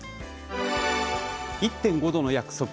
「１．５℃の約束−